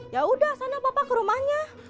ya udah sana bapak ke rumahnya